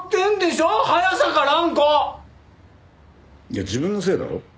いや自分のせいだろ。